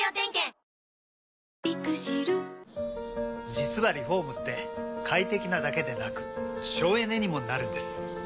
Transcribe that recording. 実はリフォームって快適なだけでなく省エネにもなるんです。